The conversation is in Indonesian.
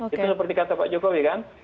itu seperti kata pak jokowi kan